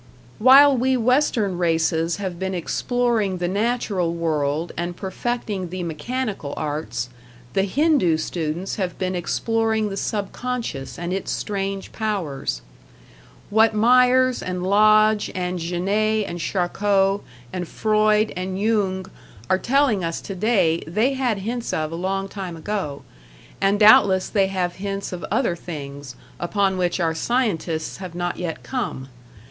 While we western races have been exploring the natural world and perfecting the mechanical arts, the Hindoo students have been exploring the subconscious and its strange powers. What Myers and Lodge and Janet and Charcot and Freud and Jung are telling us today they had hints of a long time ago; and doubtless they have hints of other things, upon which our scientists have not yet come.